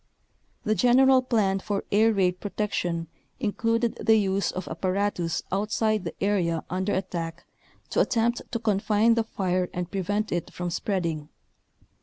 The general plan for air raid protection included the use of apparatus outside the area under attack to attempt to confine the fire and prevent it from spreading.